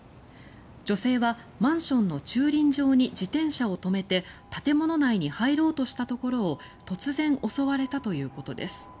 女性はマンションの駐輪場に自転車を止めて建物内に入ろうとしたところを突然、襲われたということです。